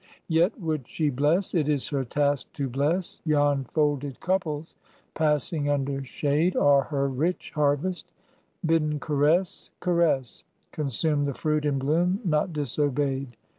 Yet would she bless, it is her task to bless: Yon folded couples, passing under shade, Are her rich harvest; bidden caress, caress, Consume the fruit in bloom; not disobeyed.